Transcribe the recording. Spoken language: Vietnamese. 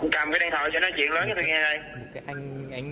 cảm cái điện thoại cho nó chuyển lối cho tôi nghe đây